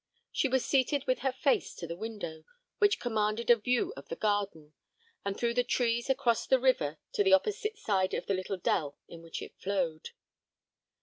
She was seated with her face to the window, which commanded a view of the garden, and through the trees across the river to the opposite side of the little dell in which it flowed.